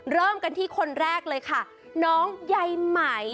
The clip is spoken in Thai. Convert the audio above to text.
เริ่มกันที่คนแรกเลยค่ะน้องใยไหม